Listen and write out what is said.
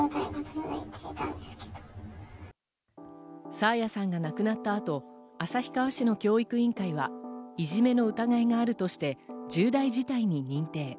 爽彩さんが亡くなった後、旭川市の教育委員会はいじめの疑いがあるとして重大事態に認定。